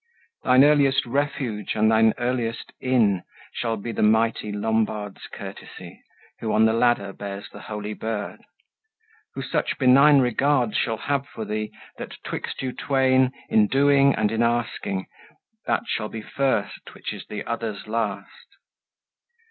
Thine earliest refuge and thine earliest inn Shall be the mighty Lombard's courtesy, Who on the Ladder bears the holy bird, Who such benign regard shall have for thee That 'twixt you twain, in doing and in asking, That shall be first which is with others last.